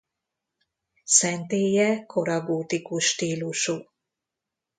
Szentélye kora gótikus stílusú.